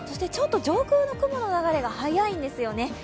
ちょっと上空の雲の流れが速いんですよね。